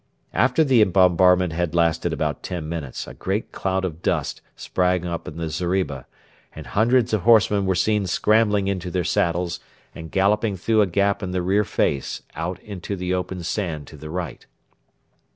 After the bombardment had lasted about ten minutes a great cloud of dust sprang up in the zeriba, and hundreds of horsemen were seen scrambling into their saddles and galloping through a gap in the rear face out into the open sand to the right.